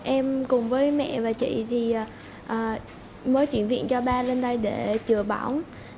em cùng với mẹ và chị mới chuyển viện cho ba lên đây để chữa bóng